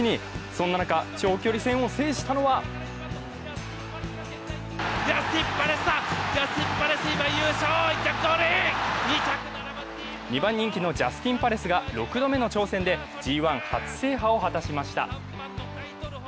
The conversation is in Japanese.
そんな中、長距離戦を制したのは２番人気のジャスティンパレスが６度目の挑戦でＧⅠ初制覇を果たしました。